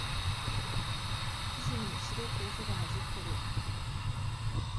記事にしれっとウソが混じってる